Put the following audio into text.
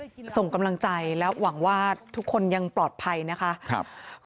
ก็ส่งกำลังใจและหวังว่าทุกคนยังปลอดภัยนะคะครับ